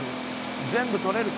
全部取れるか？」